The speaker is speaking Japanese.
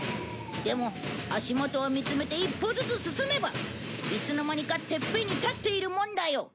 でも足元を見つめて１歩ずつ進めばいつの間にかてっぺんに立っているもんだよ。